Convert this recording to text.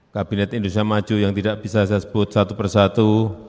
kabinet indonesia maju yang tidak bisa saya sebut satu persatu